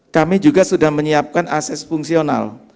kami juga sudah menyiapkan ases fungsional